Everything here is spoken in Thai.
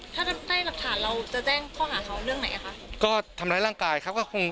ถ้าได้รักฐานเราจะแจ้งข้อหาเขาเรื่องไหนครับ